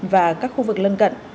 và các khu vực lân gận